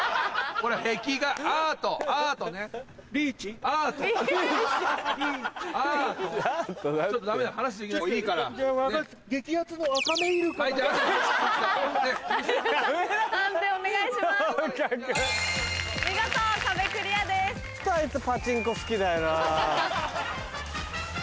ホントあいつパチンコ好きだよな。